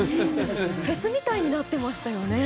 フェスみたいになってましたもんね。